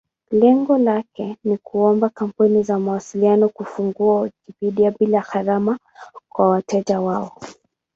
Lengo lake ni kuomba kampuni za mawasiliano kufungua Wikipedia bila gharama kwa wateja wao.